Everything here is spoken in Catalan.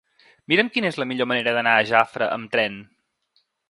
Mira'm quina és la millor manera d'anar a Jafre amb tren.